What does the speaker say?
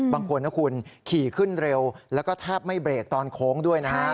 บางคนนะคุณขี่ขึ้นเร็วแล้วก็แทบไม่เบรกตอนโค้งด้วยนะฮะ